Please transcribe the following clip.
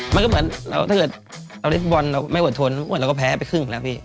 มันก็เหมือนเราถ้าเกิดเราเล่นบอลเราไม่อดทนมันเหมือนเราก็แพ้ไปครึ่งแล้วพี่